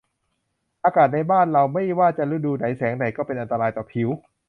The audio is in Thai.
อากาศในบ้านเราไม่ว่าจะฤดูไหนแสงแดดก็เป็นอันตรายต่อผิว